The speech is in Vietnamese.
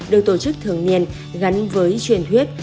được tổ chức thường niên gắn với truyền huyết